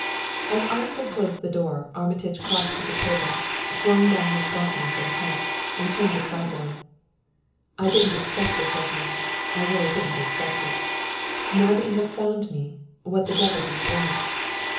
As Oscar closed the door, Armitage crossed to the table, flung down his gauntlets and hat and turned to Claiborne. "I didn't expect this of you; I really didn't expect it. Now that you have found me, what in the devil do you want?"